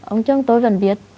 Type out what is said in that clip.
ông chồng tôi vẫn biết